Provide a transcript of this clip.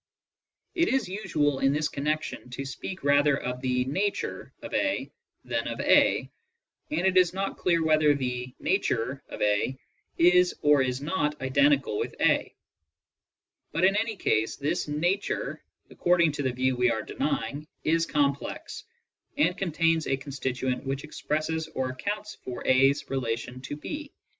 It is usual in this connection to speak rather of the "nature" of a than of a, and it is not clear whether the "nature" of a is or is not identical with a; but in any case, this "nature," according to the view we are denying, is complex, and contains a constituent which expresses or accounts for a's relation to 6.